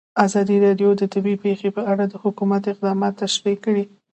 ازادي راډیو د طبیعي پېښې په اړه د حکومت اقدامات تشریح کړي.